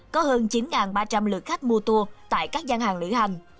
có hơn chín ba trăm linh lượt khách mua tour tại các gian hàng lữ hành